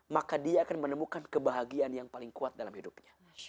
maka dia akan menemukan kebahagiaan yang paling kuat dalam hidupnya